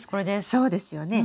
そうですよね。